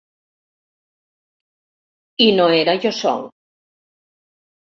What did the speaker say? I no era jo sol.